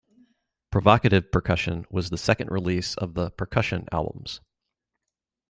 "Provocative Percussion" was the second release of the "Percussion" albums.